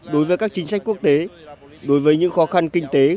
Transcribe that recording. đối với các chính sách quốc tế đối với những khó khăn kinh tế